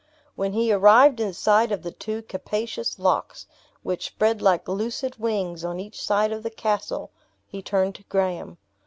When he arrived in sight of the two capacious lochs, which spread like lucid wings on each side of the castle, he turned to Graham.